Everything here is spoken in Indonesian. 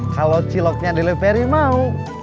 kalo ciloknya di leperi mau